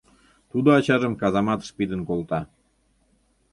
Тудо ачажым казаматыш пидын колта.